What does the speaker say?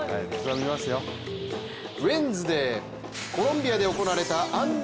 ウエンズデーコロンビアで行われたＵ２０